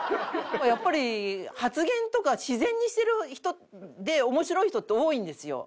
やっぱり発言とか自然にしてる人で面白い人って多いんですよ